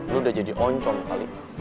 ini udah jadi oncom kali